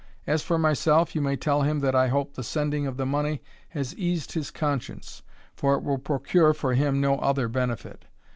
As for myself, you may tell him that I hope the sending of the money has eased his conscience, for it will procure him no other benefit.